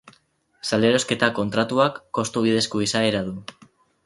Salerosketa kontratuak kostu-bidezko izaera du.